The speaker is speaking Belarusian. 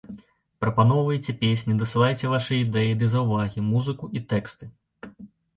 Прапаноўвайце песні, дасылайце вашы ідэі ды заўвагі, музыку і тэксты.